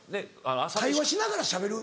「会話しながらしゃべる」？